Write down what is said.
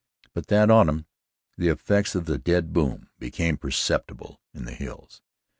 But that autumn, the effects of the dead boom became perceptible in the hills.